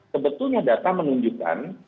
sebetulnya data menunjukkan